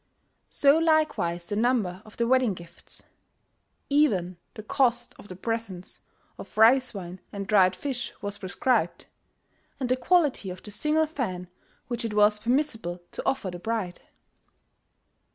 So likewise the number of the wedding gifts: even the cost of the presents, of rice wine and dried fish was prescribed, and the quality of the single fan which it was permissible to offer the bride.